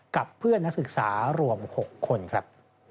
กับเพื่อนนักศึกษารวม๖คนครับ